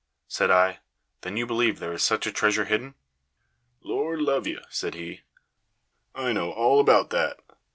Said I: "Then you believe there is such a treasure hidden?" "Lord love you," said he, "I know all about that!